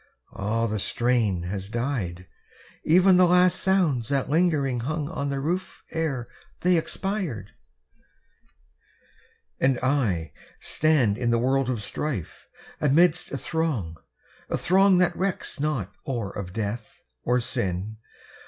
Ah, the strain Has died ev'n the last sounds that lingeringly Hung on the roof ere they expired! And I, Stand in the world of strife, amidst a throng, A throng that recks not or of death, or sin!